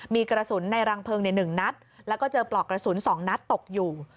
มีกระสุนในรังเพลิงใน๑นัดแล้วก็เจอปลอกกระสุน๒นัดตกอยู่